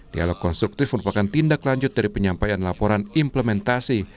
dialog konstruktif merupakan tindak lanjut dari penyampaian laporan implementasi